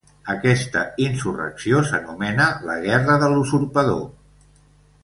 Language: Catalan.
Aquesta insurrecció s'anomena la Guerra de l'Usurpador.